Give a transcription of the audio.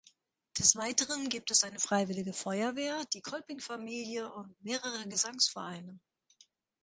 Des Weiteren gibt es eine Freiwillige Feuerwehr, die Kolpingfamilie und mehrere Gesangsvereine.